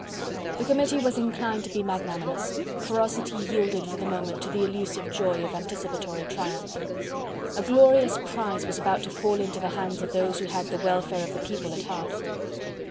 The Committee was inclined to be magnanimous. Ferocity yielded for the moment to the elusive joy of anticipatory triumph. A glorious prize was about to fall into the hands of those who had the welfare of the people at heart.